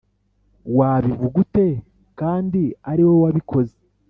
wabivuga ute kandi ariwo wabikoze?